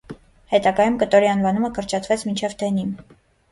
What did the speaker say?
Հետագայում կտորի անվանումը կրճատվեց մինչև «դենիմ»։